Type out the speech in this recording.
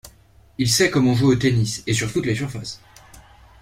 Il sait comment jouer au tennis et sur toutes les surfaces.